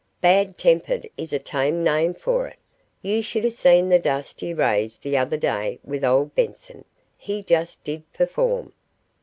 "Bad tempered is a tame name for it. You should have seen the dust he raised the other day with old Benson. He just did perform."